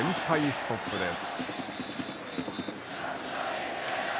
ストップです。